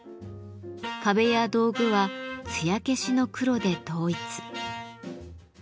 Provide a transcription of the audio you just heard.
壁や道具は「つや消しの黒」で統一。